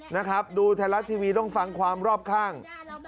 นะครับดูไทยรัฐทีวีต้องฟังความรอบข้าง